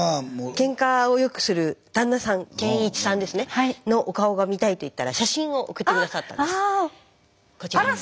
けんかをよくする旦那さん憲一さんですねのお顔が見たいと言ったら写真を送って下さったんです。